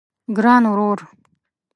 ګران ورور